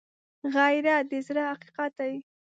غیرت د زړه حقیقت دی